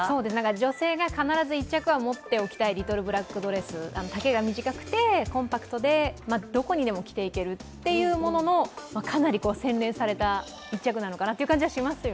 女性が必ず一着は持っておきたいドレス丈が短くて、コンパクトでどこにでも着ていけるというものの、かなり洗練された一着なのかなと思います。